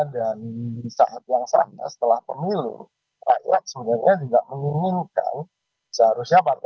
dan di saat yang sama setelah pemilu rakyat sebenarnya juga menginginkan seharusnya pak prabowo